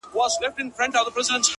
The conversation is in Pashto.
چي پكښي خوند پروت وي”